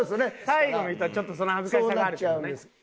最後の人はちょっとその恥ずかしさがあるからね。